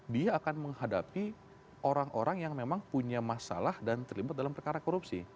dia akan menghadapi orang orang yang memang punya masalah dan terlibat dalam perkara korupsi